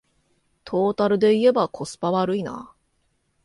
トータルでいえばコスパ悪いな